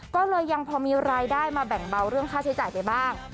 ก็เลยยังพอมีรายได้มาแบ่งเบาเรื่องค่าใช้จ่ายไปบ้าง